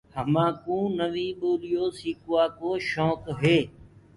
همآ ڪوُ نوينٚ ٻوليونٚ سيڪوآ ڪو شوڪ هي۔